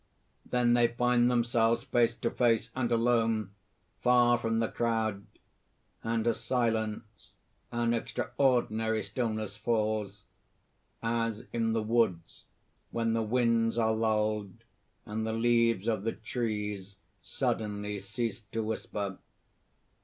Then they find themselves face to face and alone, far from the crowd; and a silence, an extraordinary stillness falls as in the woods when the winds are lulled, and the leaves of the trees suddenly cease to whisper.